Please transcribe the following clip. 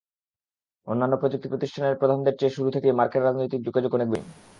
অন্যান্য প্রযুক্তি প্রতিষ্ঠানের প্রধানদের চেয়ে শুরু থেকেই মার্কের রাজনৈতিক যোগাযোগ অনেক বেশি।